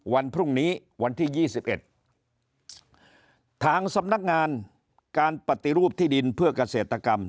วันพรุ่งนี้วันที่๒๑ทางสำนักงานการปฏิรูปที่ดินเพื่อเกษตรกรรม